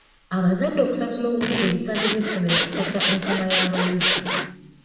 Abazadde okusasula obubi ebisale by'essomero kikosa ensoma y'abayizi.